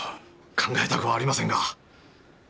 考えたくはありませんが。